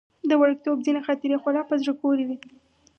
د وړکتوب ځينې خاطرې خورا په زړه پورې وي.